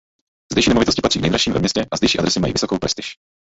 Zdejší nemovitosti patří k nejdražším ve městě a zdejší adresy mají vysokou prestiž.